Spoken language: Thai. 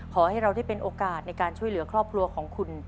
ขอให้เราได้เป็นโอกาสในการช่วยเหลือครอบครัวของคุณ